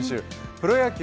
プロ野球